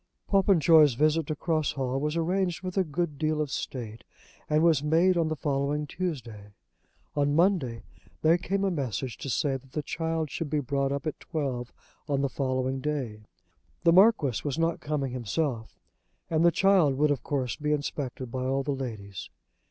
Popenjoy's visit to Cross Hall was arranged with a good deal of state, and was made on the following Tuesday. On the Monday there came a message to say that the child should be brought up at twelve on the following day. The Marquis was not coming himself, and the child would of course be inspected by all the ladies.